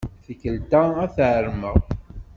Tikkelt-a, ad t-armeɣ.